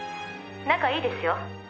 「仲いいですよ」